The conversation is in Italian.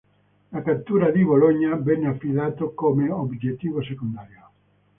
La cattura di Bologna venne affidato come obiettivo secondario.